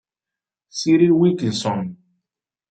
Cyril Wilkinson